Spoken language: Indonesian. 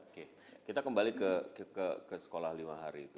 oke kita kembali ke sekolah lima hari itu